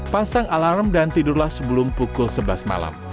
pasang alarm dan tidurlah sebelum pukul sebelas malam